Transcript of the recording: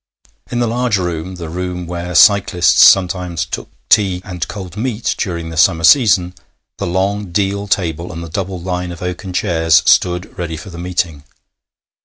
In the large room, the room where cyclists sometimes took tea and cold meat during the summer season, the long deal table and the double line of oaken chairs stood ready for the meeting.